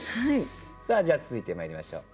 さあじゃあ続いてまいりましょう。